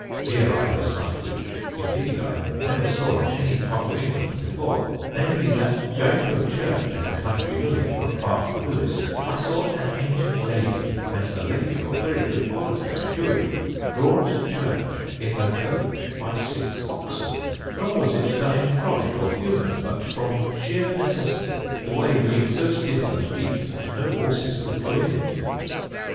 Here I had a sight which, indeed, I never saw in any part of England before namely, that going to a church at a country village, not far from Lewes, I saw an ancient lady, and a lady of very good quality, I assure you, drawn to church in her coach by six oxen; nor was it done in frolick or humour, but from sheer necessity, the way being so stiff and deep that no horses could go in it."